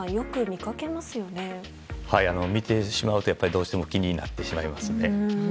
見てしまうと、どうしても気になってしまいますね。